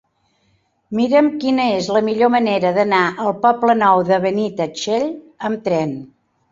Mira'm quina és la millor manera d'anar al Poble Nou de Benitatxell amb tren.